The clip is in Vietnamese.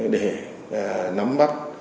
để nắm bắt